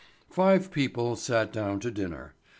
Five people sat down to supper.